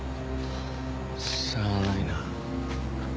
しゃあないな。